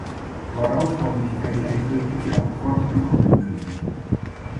Darauf habe ich keine eindeutige Antwort bekommen können.